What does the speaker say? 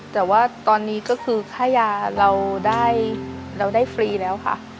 แต่ว่าตอนนี้ก็คือค่ายาเราได้เราได้ฟรีแล้วค่ะ